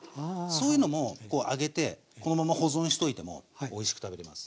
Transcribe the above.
そういうのも揚げてこのまま保存しといてもおいしく食べれます。